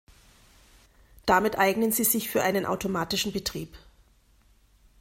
Damit eignen sie sich für einen automatischen Betrieb.